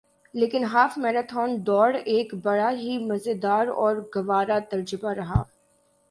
لیکن half marathon دوڑ ایک بڑا ہی مزیدار اور گوارہ تجربہ رہا